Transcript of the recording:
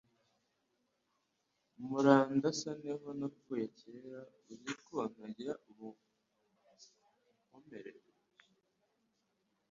Murandasane ho napfuye kera Uzi ko ntagira ubukomere,